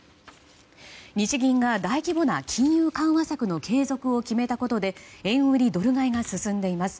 日銀が大規模な金融緩和策の継続を決めたことで円売りドル買いが進んでいます。